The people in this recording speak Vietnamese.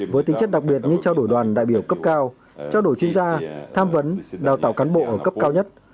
với tính chất đặc biệt như trao đổi đoàn đại biểu cấp cao trao đổi chuyên gia tham vấn đào tạo cán bộ ở cấp cao nhất